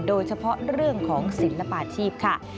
โดยเฉพาะเรื่องของศิลปาชีพค่ะ